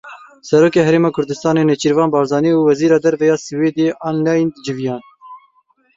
Serokê Herêma Kurdistanê Nêçîrvan Barzanî û Wezîra Derve ya Swêdê Ann Linde civiyan.